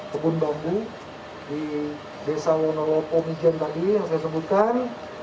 kebun bambu di desa wonolopo mijen tadi yang saya sebutkan